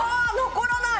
残らない！